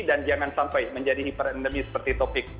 dan jangan sampai menjadi hiper endemi seperti topik